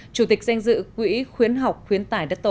chủ tịch danh dự quỹ khuyến học khuyến tải đất tổ